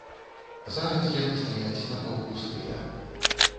Зараз яны стаяць напаўпустыя.